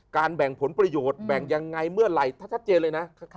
แบ่งผลประโยชน์แบ่งยังไงเมื่อไหร่ถ้าชัดเจนเลยนะ